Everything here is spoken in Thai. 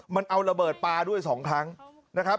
มันเอาระเบิดปลาด้วย๒ครั้งนะครับ